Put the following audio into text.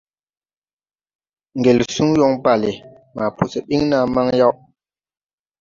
Ŋgel suŋ yɔŋ balle maa po sɛ ɓiŋ naa maŋ yaw.